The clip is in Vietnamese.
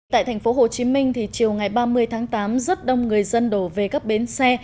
tại thành phố hồ chí minh thì chiều ngày ba mươi tháng tám rất đông người dân đổ về các bến xe